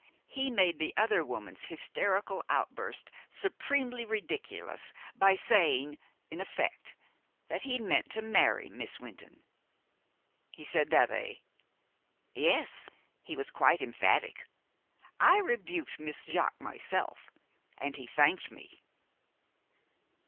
He made the other woman's hysterical outburst supremely ridiculous by saying, in effect, that he meant to marry Miss Wynton." "He said that, eh?" "Yes. He was quite emphatic. I rebuked Miss Jaques myself, and he thanked me."